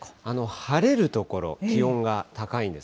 晴れる所、気温が高いんです。